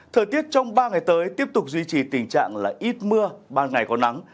thời tiết trong ba ngày tới tiếp tục duy trì tình trạng là ít mưa ba ngày có nắng